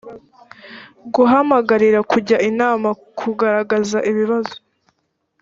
guhamagarira kujya inama kugaragaza ibibazo